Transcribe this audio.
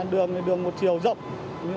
đường một chiều rộng